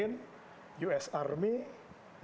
yang dikelain us marine